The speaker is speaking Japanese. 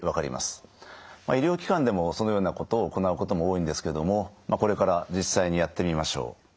医療機関でもそのようなことを行うことも多いんですけれどもこれから実際にやってみましょう。